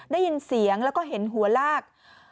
ได้ยินเสียงแล้วก็เห็นหัวลาก